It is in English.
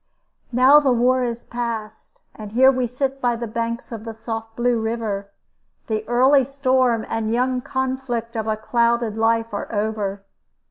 Now the war is past, and here we sit by the banks of the soft Blue River. The early storm and young conflict of a clouded life are over.